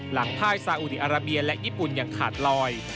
ภายซาอุดีอาราเบียและญี่ปุ่นอย่างขาดลอย